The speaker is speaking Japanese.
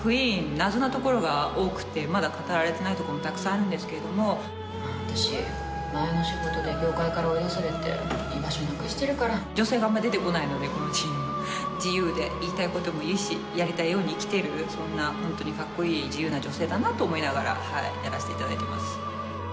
謎なところが多くてまだ語られてないところもたくさんあるんですけども私前の仕事で業界から追い出されて居場所なくしてるから女性があんまり出てこないのでこのチーム自由で言いたいことも言うしやりたいように生きてるそんなホントにかっこいい自由な女性だなと思いながらやらせていただいてます